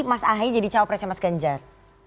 mas ahi jadi cowok presiden mas genjar